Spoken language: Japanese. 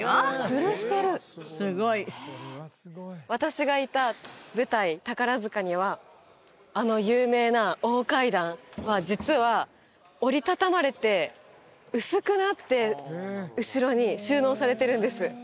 つるしてるすごい私がいた舞台宝塚にはあの有名な大階段は実は折り畳まれて薄くなって後ろに収納されてるんです